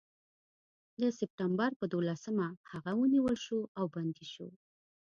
د سپټمبر پر دولسمه هغه ونیول شو او بندي شو.